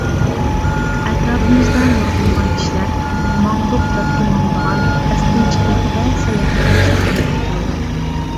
ئەتراپىمىزدا نۇرغۇنلىغان كىشىلەر «ماڭدۇق دەپلا ماڭىدىغان» ئەستىن چىقمىغۇدەك ساياھەت قىلىشنى ئارزۇ قىلىدۇ.